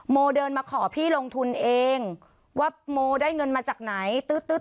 เดินมาขอพี่ลงทุนเองว่าโมได้เงินมาจากไหนตื๊ด